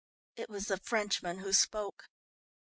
It was the Frenchman who spoke.